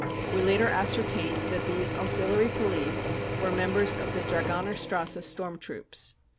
We later ascer tained that these £ auxiliary police ' were members of the Dragonerstrasse Storm Troops.